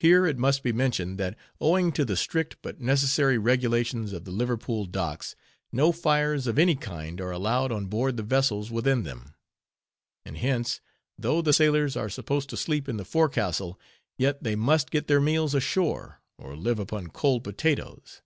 Here it must be mentioned, that owing to the strict but necessary regulations of the Liverpool docks, no fires of any kind are allowed on board the vessels within them; and hence, though the sailors are supposed to sleep in the forecastle, yet they must get their meals ashore, or live upon cold potatoes.